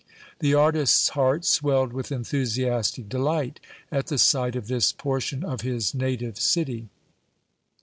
The artist's heart swelled with enthusiastic delight at the sight of this portion of his native city.